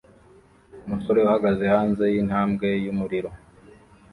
umusore uhagaze hanze yintambwe yumuriro